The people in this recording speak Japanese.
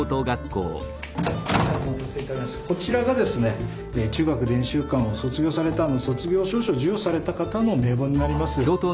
こちらがですね中学伝習館を卒業された卒業証書を授与された方の名簿になります。